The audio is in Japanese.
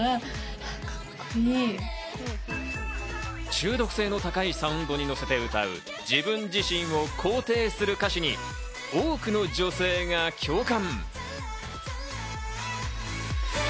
中毒性の高いサウンドに乗せて歌う自分自身を肯定する歌詞に多くの女性が共感。